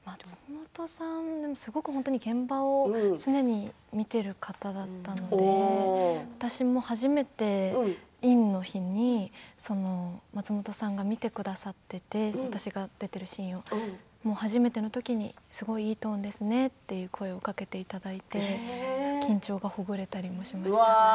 現場を常に見ている方だったので私も初めてインの日に松本さんが見てくださっていて私がやっているシーンを初めての時に、すごくいいトーンですねって声をかけていただいて緊張がほぐれたりしました。